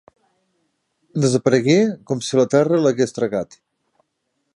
Desaparegué com si la terra l'hagués tragat.